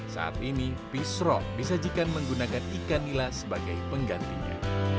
saat ini pishro disajikan menggunakan ikan nila sebagai penggantinya